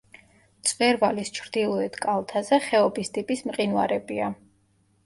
მწვერვალის ჩრდილოეთ კალთაზე ხეობის ტიპის მყინვარებია.